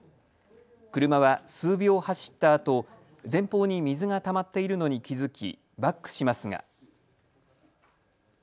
車は数秒走ったあと前方に水がたまっているのに気付きバックしますが。